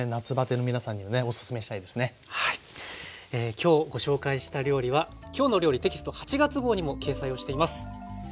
今日ご紹介した料理は「きょうの料理」テキスト８月号にも掲載をしています。